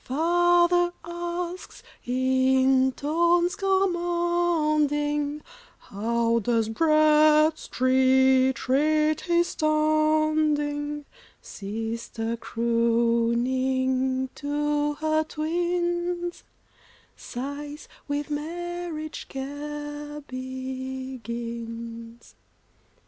Father asks, in tones commanding, "How does Bradstreet rate his standing?" Sister crooning to her twins, Sighs, "With marriage care begins."